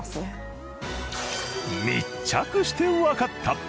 密着してわかった！